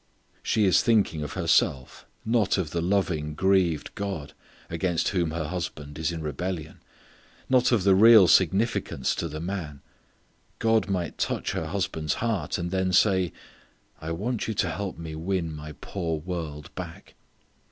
She is thinking of herself; not of the loving grieved God against whom her husband is in rebellion; not of the real significance to the man. God might touch her husband's heart, and then say: "I want you to help Me win My poor world back."